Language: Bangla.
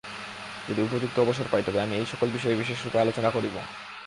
যদি উপযুক্ত অবসর পাই, তবে আমি এই-সকল বিষয় বিশেষরূপে আলোচনা করিব।